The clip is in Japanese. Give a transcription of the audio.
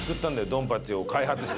ドンパッチを開発して。